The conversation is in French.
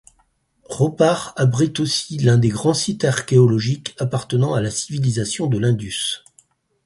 Ropar abrite aussi l'un des grands sites archéologiques appartenant à la civilisation de l'Indus.